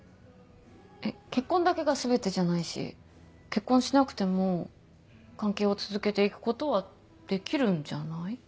結婚だけが全てじゃないし結婚しなくても関係を続けていくことはできるんじゃない？